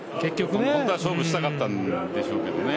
本当は勝負したかったんでしょうけどね。